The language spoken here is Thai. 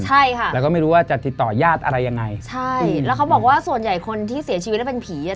ใช่ค่ะแล้วก็ไม่รู้ว่าจะติดต่อยาดอะไรยังไงใช่แล้วเขาบอกว่าส่วนใหญ่คนที่เสียชีวิตแล้วเป็นผีอ่ะ